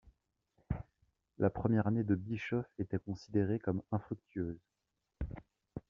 La première année de Bischoff était considérée comme infructueuse.